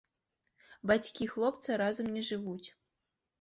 Бацькі хлопца разам не жывуць.